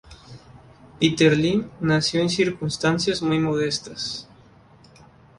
Peter Lim nació en circunstancias muy modestas.